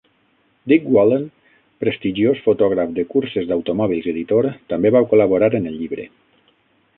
Dick Wallen, prestigiós fotògraf de curses d'automòbils i editor, també va col·laborar en el llibre.